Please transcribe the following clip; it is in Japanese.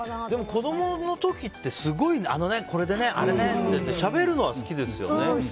子供の時ってすごい、あれでね、これでねってしゃべるのは好きですよね。